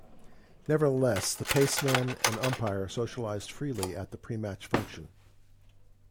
Nevertheless, the paceman and umpire socialised freely at the pre-match function.